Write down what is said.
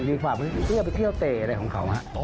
มีความเวลาไปเที่ยวเตะอะไรของเขา